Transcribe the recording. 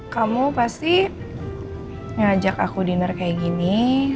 kamu pasti ngajak aku dinner kayak gini